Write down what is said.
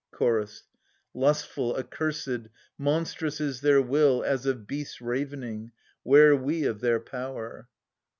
Chorus. lustful, accursbd, monstrous is their will As of beasts ravening — 'ware we of their power